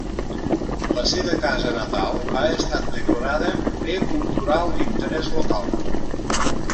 La seva casa natal ha estat declarada Bé Cultural d'interès local.